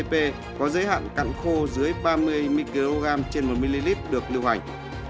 p có giới hạn cặn khô dưới ba mươi microgram trên một ml được lưu hành